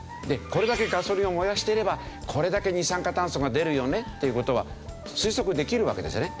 これだけガソリンを燃やしていればこれだけ二酸化炭素が出るよねっていう事は推測できるわけですよね。